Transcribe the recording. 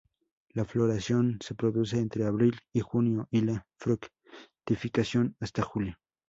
La floración se produce entre abril y junio y la fructificación hasta julio.